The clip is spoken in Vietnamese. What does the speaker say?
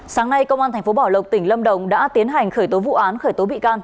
sáng nay công an tp bảo lộc tỉnh lâm đồng đã tiến hành khởi tố vụ án khởi tố bị can